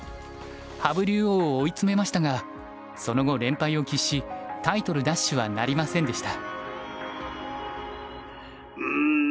羽生竜王を追い詰めましたがその後連敗を喫しタイトル奪取はなりませんでした。